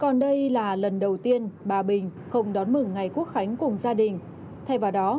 còn đây là lần đầu tiên bà bình không đón mừng ngày quốc khánh cùng gia đình thay vào đó